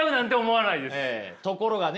ところがね